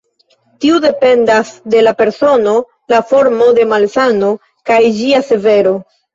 Tiu dependas de la persono, la formo de malsano, kaj ĝia severo.